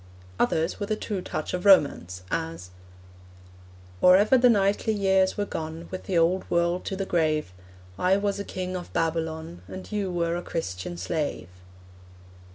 Others with a true touch of romance, as Or ever the knightly years were gone With the old world to the grave, I was a king in Babylon, And you were a Christian slave.